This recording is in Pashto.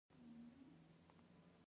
اوس همدې جعلي پولو ته ریښتینولي ویل کېږي.